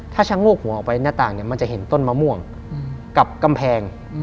ถ้าชะโงกหัวออกไปหน้าต่างเนี่ยมันจะเห็นต้นมะม่วงกับกำแพง